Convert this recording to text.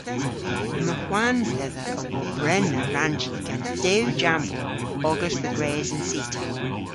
Yma hwans dhedha a wobrena rannji gans dew jambour ogas dhe gres an cita.